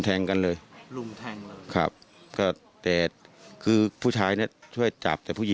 ถ้าทายกันให้ออกไปอ่านซึ่งดูสมัยภูมิ